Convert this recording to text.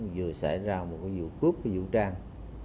vừa xảy ra một vụ cướp vũ trang